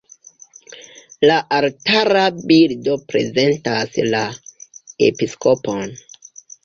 La altara bildo prezentas la episkopon.